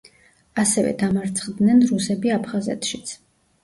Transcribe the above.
ასევე დამარცხდნენ რუსები აფხაზეთშიც.